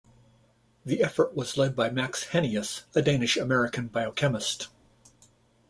The effort was led by Max Henius, a Danish-American biochemist.